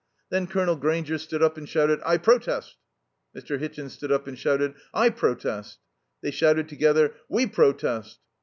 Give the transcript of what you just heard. Then Colonel Grainger stood up and shouted, "I protest!" Mr. Hitchin stood up and shouted, "I protest!" They shouted together, "We protest!"